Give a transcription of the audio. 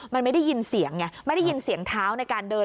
มันไม่ได้ยินเสียงไงไม่ได้ยินเสียงเท้าในการเดิน